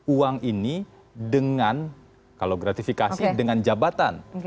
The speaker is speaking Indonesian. uang ini dengan kalau gratifikasi dengan jabatan